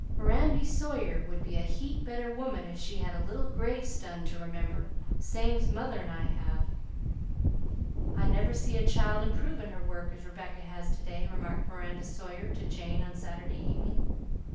Mirandy Sawyer would be a heap better woman if she had a little gravestun to remember, same's mother 'n' I have." "I never see a child improve in her work as Rebecca has to day," remarked Miranda Sawyer to Jane on Saturday evening.